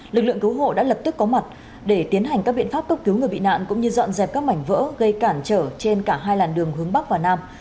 lực lượng cứu hộ đã lập tức có mặt để tiến hành các biện pháp cấp cứu người bị nạn cũng như dọn dẹp các mảnh vỡ gây cản trở trên cả hai làn đường hướng bắc và nam